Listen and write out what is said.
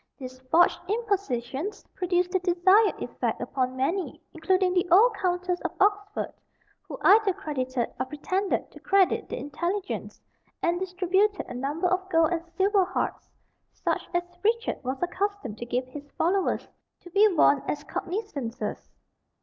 These "forged impositions" produced the desired effect upon many, including the old Countess of Oxford, who either credited or pretended to credit the intelligence, and distributed a number of gold and silver harts, such as Richard was accustomed to give his followers, to be worn as cognizances.